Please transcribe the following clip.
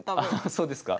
そうですか？